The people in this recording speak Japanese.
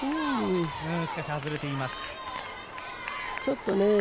しかし外れています。